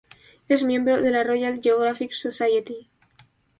Es miembro de la Royal Geographic Society.